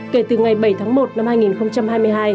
kể từ ngày bảy tháng một năm hai nghìn hai mươi hai